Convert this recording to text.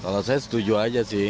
kalau saya setuju aja sih